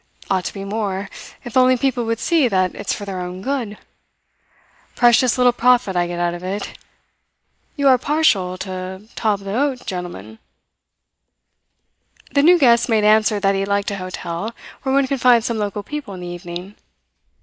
"Ought to be more, if only people would see that it's for their own good. Precious little profit I get out of it. You are partial to tables d'hote, gentlemen?" The new guest made answer that he liked a hotel where one could find some local people in the evening.